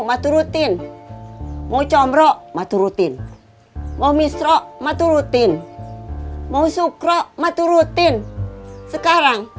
maturutin mau comro maturutin mau mistro maturutin mau sukro maturutin sekarang